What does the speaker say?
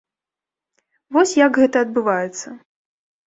Вось як гэта адбываецца.